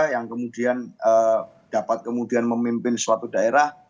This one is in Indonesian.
yang kemudian dapat kemudian memimpin suatu daerah